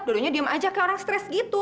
dulunya diem aja kayak orang stres gitu